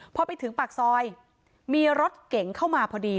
พอไปถึงปากซอยมีรถเก๋งเข้ามาพอดี